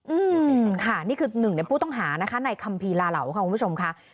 อืมค่ะนี่คือหนึ่งในผู้ต้องหานะคะในคัมภีร์ลาเหลาค่ะคุณผู้ชมค่ะ